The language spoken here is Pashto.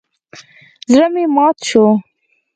زړه مې مات شو.